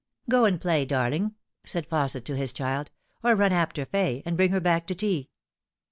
" Go and play, darling," eaid Fausset to his child ;" or run after Fay, and bring her back to tea."